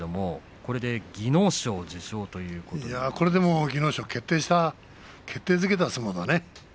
これで技能賞決定づけた相撲だね。